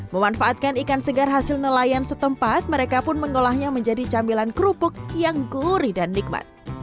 memanfaatkan ikan segar hasil nelayan setempat mereka pun mengolahnya menjadi camilan kerupuk yang gurih dan nikmat